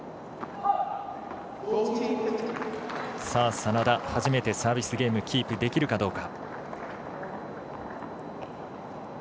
眞田、初めてサービスゲームキープできるかどうか。